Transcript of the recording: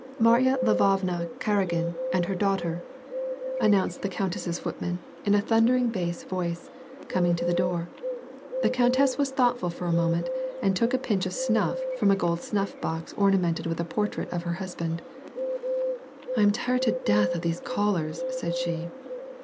"Marya Lvovna Karagin and her daughter," announced WAR AND PEACE. 41 the countesses footman, in a thundering bass voice, coming to the door. The countess was thoughtful for a moment, and took a pinch of snuif from a gold snuff box ornamented with a portrait of her husband. *' I am tired to death of these callers," said she.